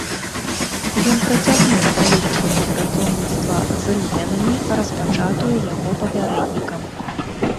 Ён працягнуў палітыку супрацоўніцтва з рымлянамі, распачатую яго папярэднікам.